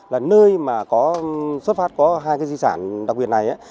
là nơi mà xuất phát có hai di sản đặc biệt này